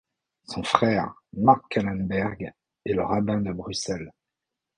Son frère, Marc Kalhenberg, est le rabbin de Bruxelles.